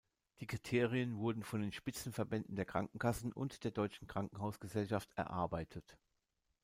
Die Kriterien wurden von den Spitzenverbänden der Krankenkassen und der Deutschen Krankenhausgesellschaft erarbeitet.